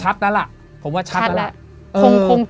ชัดนั้นล่ะผมว่าชัดนั้นล่ะชัดล่ะ